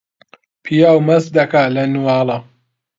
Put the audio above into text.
پیاو مەست دەکا لە نواڵە